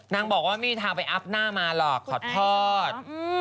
นางบอกว่าไม่มีทางไปอัพหน้ามาหรอกขอโทษ